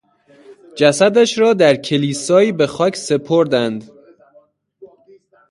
جسدش را در کلیسایی به خاک سپردند.